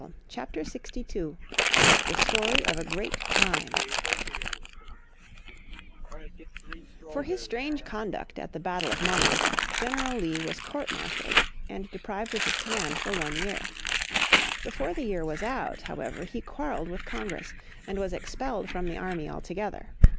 __________ Chapter 62 The Story of a Great Crime For his strange conduct at the battle of Monmouth General Lee was court martialled, and deprived of his command for one year. Before the year was out, however, he quarreled with Congress, and was expelled from the army altogether.